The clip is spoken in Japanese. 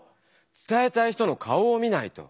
伝えたい人の顔を見ないと。